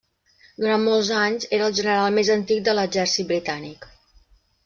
Durant molts anys era el general més antic de l'Exèrcit Britànic.